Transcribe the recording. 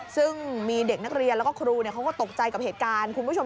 ซึ่งมีเด็กนักเรียนและก็ครู